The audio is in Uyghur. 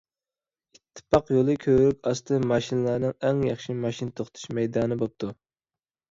ئىتتىپاق يولى كۆۋرۈك ئاستى ماشىنىلارنىڭ ئەڭ ياخشى ماشىنا توختىتىش مەيدانى بوپتۇ.